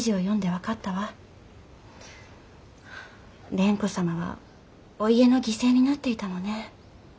蓮子様はお家の犠牲になっていたのね。